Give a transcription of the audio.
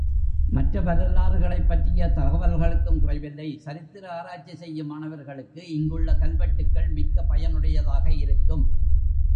மற்ற வரலாறுகளைப் பற்றிய தகவல்களுக்கும் குறைவில்லை சரித்திர ஆராய்ச்சி செய்யும் மாணவர்களுக்கு இங்குள்ள கல்வெட்டுக்கள் மிக்க பயனுடையதாக இருக்கும்.